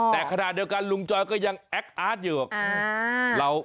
แต่ขณะเดียวกันลุงจอยก็ยังแอคอาร์ตอยู่